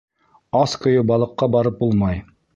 Ас көйө балыҡҡа барып булмай.